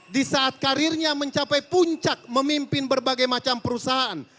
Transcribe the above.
di saat karirnya mencapai puncak memimpin berbagai macam perusahaan